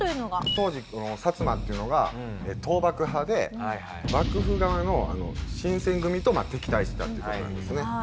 当時薩摩っていうのが倒幕派で幕府側の新撰組と敵対してたっていう事なんですね。